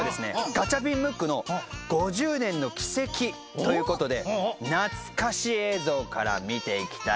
ガチャピンムックの５０年の軌跡ということで懐かし映像から見ていきたいと思うよ。